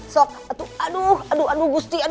sok atuh ulupis